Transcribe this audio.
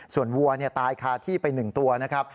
ส่วนวัวตายคาที่ไป๑ตัวนะครับ